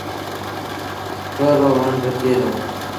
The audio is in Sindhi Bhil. ٿُور رو وڻ با ٿئي دو۔